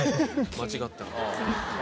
間違ったら。